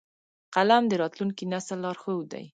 قلم د راتلونکي نسل لارښود دی